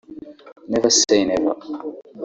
Never Say Never